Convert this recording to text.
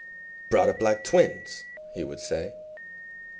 "Brought up like twins!" he would say.